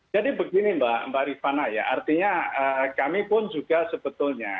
jadi begini mbak mbak rifana ya artinya kami pun juga sebetulnya